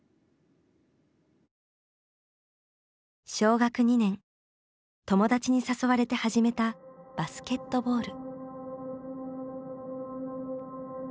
小学２年友達に誘われて始めたバスケットボール。